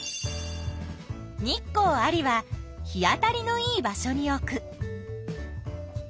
「日光あり」は日当たりのいい場所に置く。